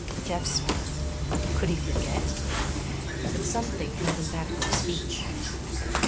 Jeff smiled. Could he forget? But something held him back from speech.